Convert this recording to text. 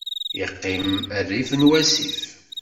Yeqqim rrif n wasif.